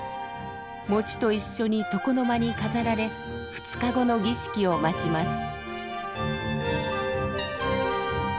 餅と一緒に床の間に飾られ２日後の儀式を待ちます。